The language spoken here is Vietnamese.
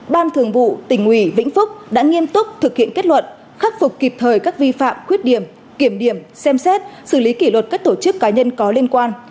ban thường vụ tỉnh ủy vĩnh phúc đã nghiêm túc thực hiện kết luận khắc phục kịp thời các vi phạm khuyết điểm kiểm điểm xem xét xử lý kỷ luật các tổ chức cá nhân có liên quan